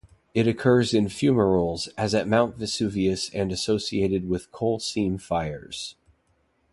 It occurs in fumaroles, as at Mount Vesuvius and associated with coal seam fires.